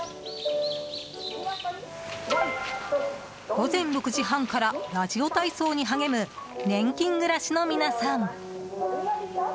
午前６時半からラジオ体操に励む年金暮らしの皆さん。